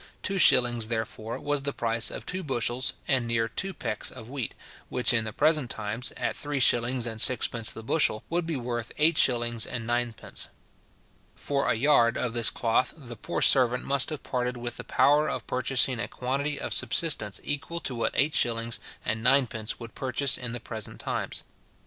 Two shillings, therefore, was the price of two bushels and near two pecks of wheat, which in the present times, at three shillings and sixpence the bushel, would be worth eight shillings and ninepence. For a yard of this cloth the poor servant must have parted with the power of purchasing a quantity of subsistence equal to what eight shillings and ninepence would purchase in the present times.